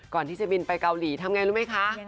ก่อนที่จะบินไปเกาหลีทำไงรู้ไหมคะ